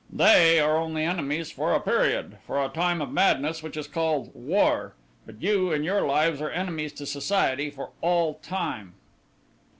They are only enemies for a period; for a time of madness which is called 'war'; but you in your lives are enemies to society for all time."